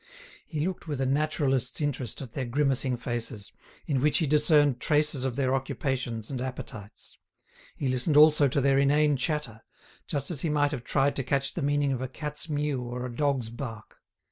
He looked with a naturalist's interest at their grimacing faces, in which he discerned traces of their occupations and appetites; he listened also to their inane chatter, just as he might have tried to catch the meaning of a cat's mew or a dog's bark.